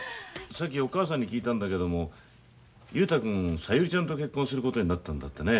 さっきお母さんに聞いたんだけども雄太君小百合ちゃんと結婚することになったんだってね。